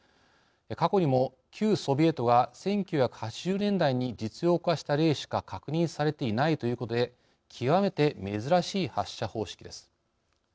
過去にも旧ソビエトが１９８０年代に実用化した例しか確認されていないということで極めて珍しい発射方式です。